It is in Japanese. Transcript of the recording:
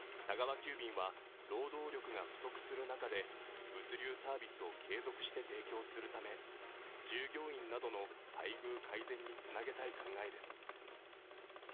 急便は労働力が不足する中で物流サービスを継続して提供するため従業員などの待遇改善につなげたい考えです。